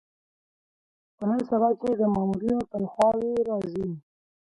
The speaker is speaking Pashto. په نن سبا کې د مامورینو تنخوا وې راځي.